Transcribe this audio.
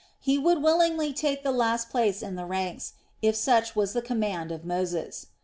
He would willingly take the last place in the ranks, if such was the command of Moses.